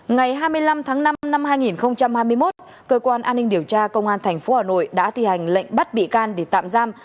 ngày hai mươi năm tháng năm năm hai nghìn hai mươi một cơ quan an ninh điều tra công an tp hà nội đã thi hành lệnh bắt bị can để tạm giam